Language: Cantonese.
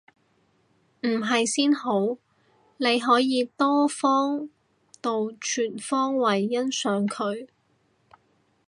唔係先好，你可以多方度全方位欣賞佢